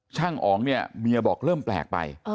ช่างอ๋องเนี่ยเมียออกเริ่มปลากไป